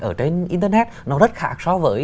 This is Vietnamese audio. ở trên internet nó rất khác so với